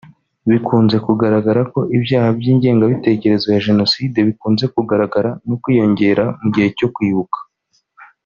Bikunze kugararagara ko ibyaha by’ingengabitekerezo ya jenoside bikunze kugaragara no kwiyongera mu gihe cyo kwibuka